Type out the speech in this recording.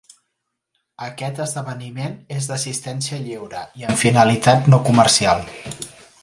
Aquest esdeveniment és d'assistència lliure i amb finalitat no comercial.